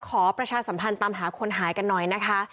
ประชาสัมพันธ์ตามหาคนหายกันหน่อยนะคะ